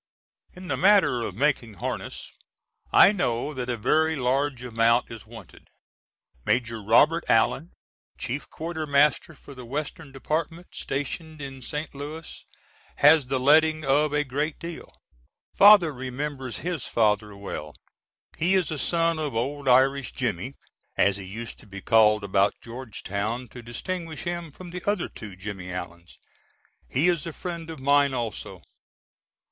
In the matter of making harness I know that a very large amount is wanted. Maj. Robert Allen, Chief Quartermaster for the Western Department, stationed in St. Louis, has the letting of a great deal. Father remembers his father well. He is a son of old Irish Jimmy, as he used to be called about Georgetown to distinguish him from the other two Jimmy Allens. He is a friend of mine also.